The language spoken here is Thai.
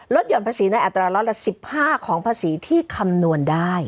หย่อนภาษีในอัตราร้อยละ๑๕ของภาษีที่คำนวณได้